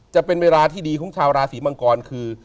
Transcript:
จะเป็นเวลาที่ดีของชาวราศีมังกรคือ